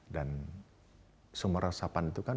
sumur resapan itu kan